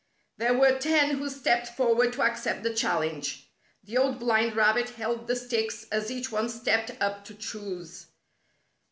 There were ten who stepped forward to accept the challenge. The Old Blind Rabbit held the sticks as each one stepped up to choose.